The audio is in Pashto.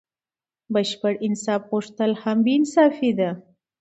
بشپړ انصاف غوښتل هم بې انصافي دئ.